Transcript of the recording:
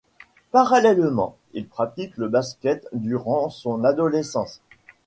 Parallèlement, il pratique le basket durant son adolescence.